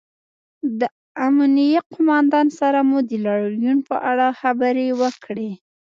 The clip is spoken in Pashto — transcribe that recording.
د امنیې قومندان سره مو د لاریون په اړه خبرې وکړې